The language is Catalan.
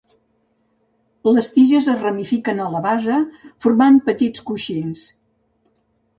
Les tiges es ramifiquen a la base, formant petits coixins.